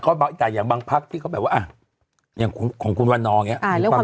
เขาปากแต่อย่างบางพักที่เขาแบบว่าอย่างของของคุณวันนอร์อย่างเจอเรื่อง